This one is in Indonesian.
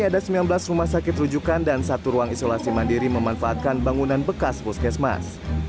ada sembilan belas rumah sakit rujukan dan satu ruang isolasi mandiri memanfaatkan bangunan bekas puskesmas